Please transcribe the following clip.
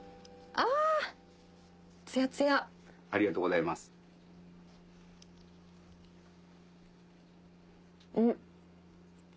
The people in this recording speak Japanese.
ありがとうございます。